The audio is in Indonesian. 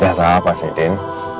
jasa apa sih din